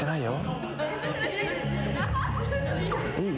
いい？